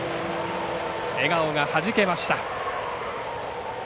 笑顔がはじけました。